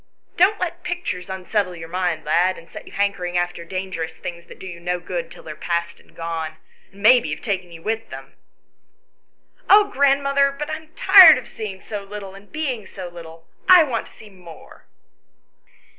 Don't let pictures unsettle your mind, lad, and set you hankering after dangerous things that do you no good till they are past and gone, and maybe have taken you with them." "Oh, grandmother, but I am tired of seeing so little and being so little ; I want to see more."